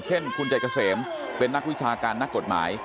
เช่นคุณใจเกษมเป็นนักวิชาการนักกฎหมาย